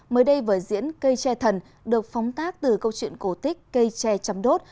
mới đây vở diễn cây tre thần được phóng tác từ câu chuyện cổ tích cây tre chăm đốt